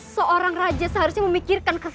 seorang raja seharusnya memikirkan